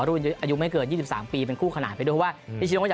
อายุไม่เกิด๒๓ปีเป็นคู่ขนาดไปด้วย